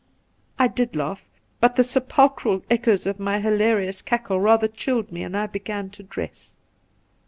I did laugh, but the sepulchral echoes of my hilarious cackle rather chilled me, and I began to dress.